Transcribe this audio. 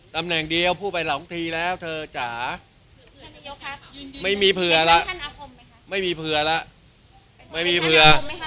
ตำแหน่งเดียวพูดไปสองทีแล้วเธอจ๋าไม่มีเผื่อแล้วไม่มีเผื่อแล้วไม่มีเผื่อไหมคะ